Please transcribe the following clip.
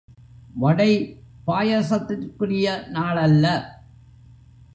வடை பாயசத்திற்குரிய நாள் அல்ல.